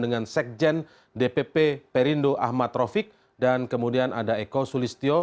dengan sekjen dpp perindo ahmad rofik dan kemudian ada eko sulistyo